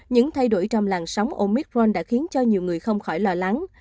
những thay đổi trong làng sóng omicron đã khiến cho nhiều người không khỏi lo lắng